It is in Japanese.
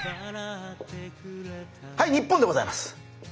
はい日本でございます。